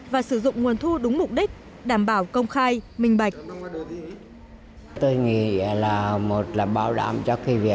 và sử dụng nguồn thu đúng mục đích đảm bảo công khai minh bạch